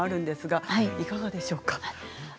いかがでしょうか。